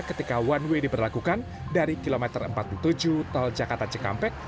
ketika one way diberlakukan dari kilometer empat puluh tujuh tol jakarta cikampek